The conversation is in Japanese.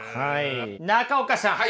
中岡さん。